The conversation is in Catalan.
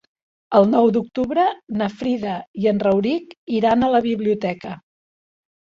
El nou d'octubre na Frida i en Rauric iran a la biblioteca.